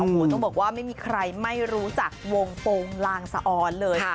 โอ้โหต้องบอกว่าไม่มีใครไม่รู้จักวงโปรงลางสะออนเลย